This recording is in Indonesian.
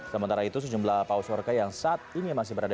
sementara itu sejumlah paus warga yang saat ini masih berada